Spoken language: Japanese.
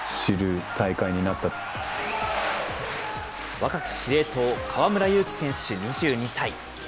若き司令塔、河村勇輝選手２２歳。